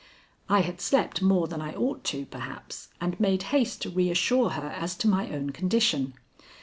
I had slept more than I ought to, perhaps, and made haste to reassure her as to my own condition.